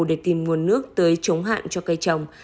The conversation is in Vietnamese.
để tìm nguồn nước tưới chống hạn cho cây trồng